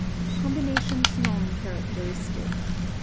COMBINATIONS NON CHARACTERISTIC.